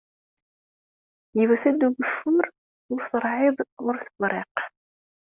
Yewwet-d ugeffur, ur terɛid, ur tebriq